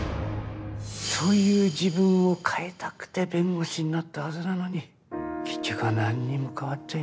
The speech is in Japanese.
そういう自分を変えたくて弁護士になったはずなのに結局は何にも変わっちゃいなかった。